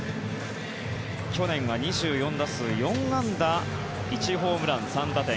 去年は２４打数４安打１ホームラン、３打点。